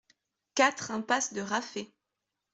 quatre impasse de Raffet